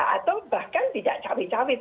atau bahkan tidak cawi cawi